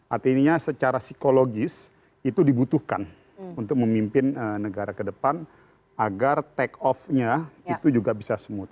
artinya secara psikologis itu dibutuhkan untuk memimpin negara ke depan agar take off nya itu juga bisa smooth